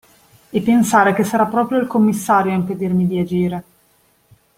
E pensare che sarà proprio il commissario a impedirmi di agire!